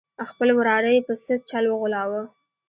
خپل وراره یې په څه چل وغولاوه.